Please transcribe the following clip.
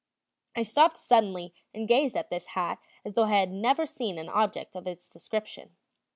I stopped suddenly and gazed at this hat as though I had never seen an object of its description.